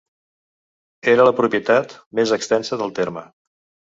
Era la propietat més extensa del terme.